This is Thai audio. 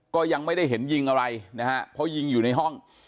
ก็ยังไม่ได้เห็นยิงอะไรนะฮะเพราะยิงอยู่ในห้อง